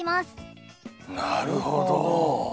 なるほど。